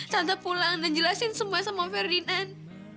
tante pulang dan jelasin semuanya sama om ferdinand